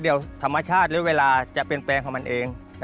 เดี๋ยวธรรมชาติหรือเวลาจะเปลี่ยนแปลงของมันเอง